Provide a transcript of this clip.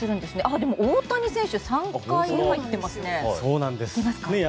でも、大谷選手は３回入っていますね。